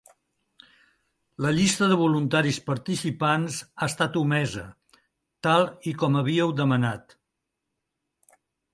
La llista de voluntaris participants ha estat omesa, tal i com havíeu demanat.